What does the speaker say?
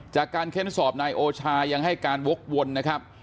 เค้นสอบนายโอชายังให้การวกวนนะครับ